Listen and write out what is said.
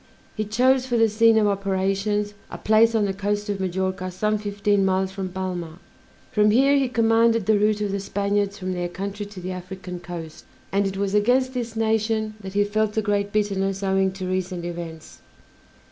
He chose for the scene of operations a place on the coast of Majorca some fifteen miles from Palma; from here he commanded the route of the Spaniards from their country to the African coast, and it was against this nation that he felt a great bitterness owing to recent events.